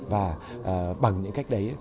và bằng những cách đấy